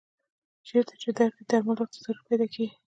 چېرته چې درد وي درمل ورته ضرور پیدا کېږي.